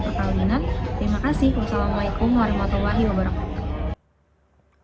perpawinan terima kasih wassalamu'alaikum warahmatullahi wabarakatuh